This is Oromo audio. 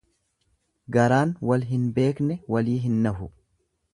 Garaan wal hin beekne walii hin nahu.